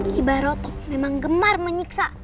kiba roto memang gemar menyiksa